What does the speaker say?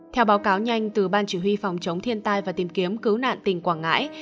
theo báo cáo nhanh từ ban chỉ huy phòng chống thiên tai và tìm kiếm cứu nạn tỉnh quảng ngãi